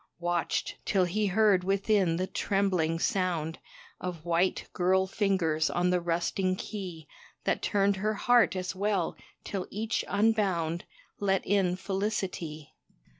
Watched, till he heard within the trembling sound Of white, girl fingers on the rusting key That turned her heart as well, till each unbound Let in felicity.